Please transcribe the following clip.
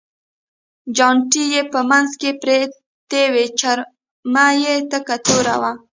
چانټې یې په منځ کې پرتې وې، چرم یې تک تور و.